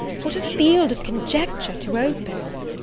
what a field of conjecture to open!